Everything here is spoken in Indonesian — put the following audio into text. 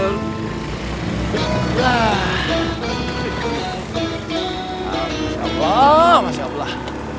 masya allah masya allah